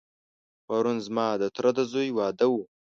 پرون ځما دتره دځوی واده و.